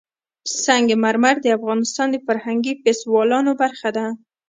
سنگ مرمر د افغانستان د فرهنګي فستیوالونو برخه ده.